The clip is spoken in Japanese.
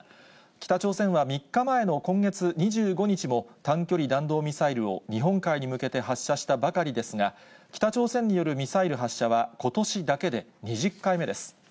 北朝鮮は３日前の今月２５日も、短距離弾道ミサイルを日本海に向けて発射したばかりですが、北朝鮮によるミサイル発射は、ことしだけで２０回目です。